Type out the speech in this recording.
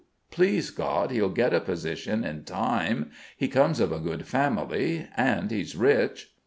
Please God, he'll get a position in time. He comes of a good family, and he's rich."